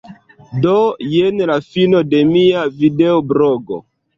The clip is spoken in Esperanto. Do, jen la fino de mia videoblogo.